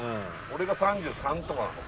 俺が３３とかなの。